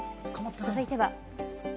続いては。